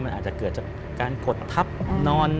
มันอาจจะเกิดจากการกดทับนอน